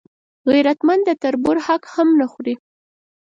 غیرتمند د تربور حق هم نه خوړوي